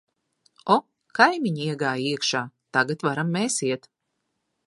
O, kaimiņi iegāja iekšā, tagad varam mēs iet.